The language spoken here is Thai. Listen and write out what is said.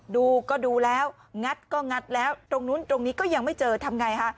ดูก็ดูแล้วงัดก็งัดแล้วตรงนู้นตรงนี้ก็ยังไม่เจอทำไงฮะ